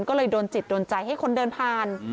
ก็เลยโดนจิตโดนใจให้คนเดินผ่าน